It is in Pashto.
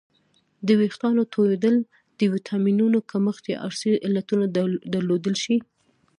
د وېښتانو تویدل د ویټامینونو کمښت یا ارثي علتونه درلودلی شي